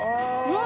うわ。